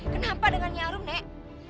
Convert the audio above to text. kenapa dengan nyi arum nek